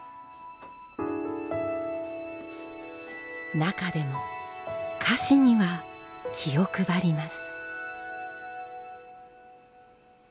中でも菓子には気を配ります。